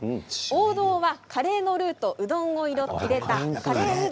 王道はカレーのルーとうどんを入れたカレーう